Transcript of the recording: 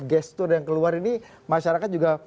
gestur yang keluar ini masyarakat juga